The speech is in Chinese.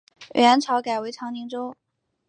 元朝改为长宁州。